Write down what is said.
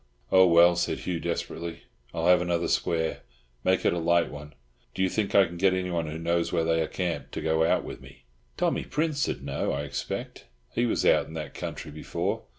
"Oh, well," said Hugh desperately, "I'll have another square. Make it a light one. Do you think I can get anyone who knows where they are camped to go out with me?" "Tommy Prince'd know, I expect. He was out in that country before.